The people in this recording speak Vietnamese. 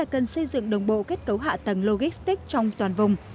cần xây dựng đồng bộ kết cấu hạ tầng logistic trong toàn vùng